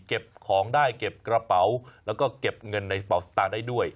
เก็บของได้เก็บกระเป๋าแล้วก็เก็บเงินในกระเป๋าสตางค์ได้ด้วย